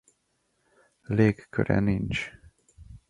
Légköre nincs.